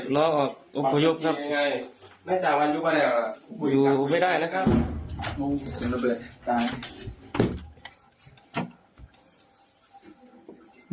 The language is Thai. ล้อออกอุปยุคครับไม่ได้แล้วครับ